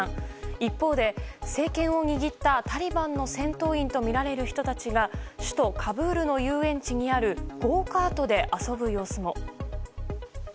一方で政権を握ったタリバンの戦闘員とみられる人たちが首都カブールの遊園地にあるゴーカートで遊ぶ様子も。